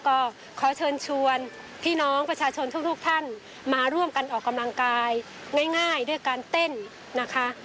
ก็ขอเชิญชวนพี่น้องประชาชนทุกท่านมาร่วมกันออกกำลังกายง่ายด้วยการเต้นนะคะ